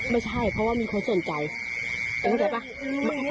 ไม่ใช่เพราะว่ามีคนสนใจ